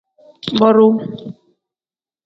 Boduu.